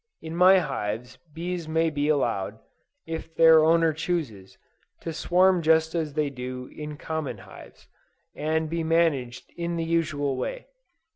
In my hives bees may be allowed, if their owner chooses, to swarm just as they do in common hives, and be managed in the usual way.